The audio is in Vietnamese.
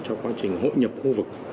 cho quá trình hội nhập khu vực